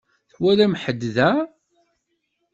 Twalam ḥedd da?